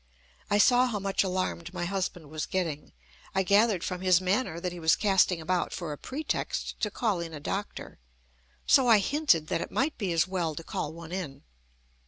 I saw how much alarmed my husband was getting. I gathered from his manner that he was casting about for a pretext to call in a doctor. So I hinted that it might be as well to call one in.